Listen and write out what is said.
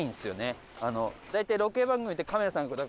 大体ロケ番組ってカメラさん